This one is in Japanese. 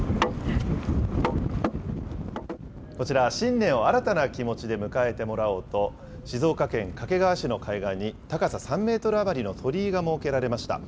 こちら、新年を新たな気持ちで迎えてもらおうと、静岡県掛川市の海岸に、高さ３メートル余りの鳥居が設けられました。